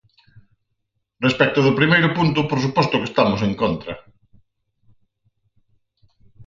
Respecto do primeiro punto por suposto que estamos en contra.